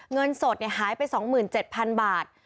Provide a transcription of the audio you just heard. เงินสดหายไป๒๗๐๐๐บาท